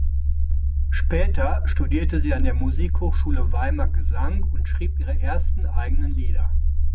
Später studierte sie an der Musikhochschule Weimar Gesang und schrieb ihre ersten eigenen Lieder.